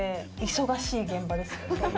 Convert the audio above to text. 忙しい現場です。